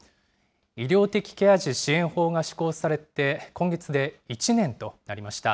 医療的ケア児支援法が施行されて今月で１年となりました。